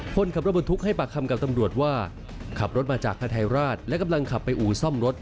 คนขับรถบรรทุกให้ปากคำกับตำรวจว่าขับรถมาจากฮาทายราชและกำลังขับไปอู่ซ่อมรถ